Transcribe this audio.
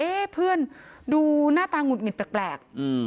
เพื่อนดูหน้าตาหงุดหงิดแปลก